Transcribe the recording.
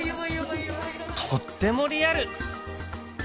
とってもリアル！